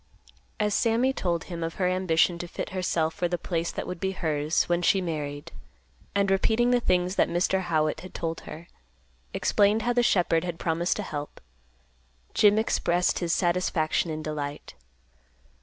As Sammy told him of her ambition to fit herself for the place that would be hers, when she married, and repeating the things that Mr. Howitt had told her, explained how the shepherd had promised to help, Jim expressed his satisfaction and delight.